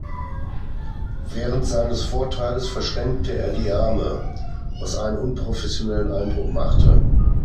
Während seines Vortrages verschränkte er die Arme, was einen unprofessionellen Eindruck machte.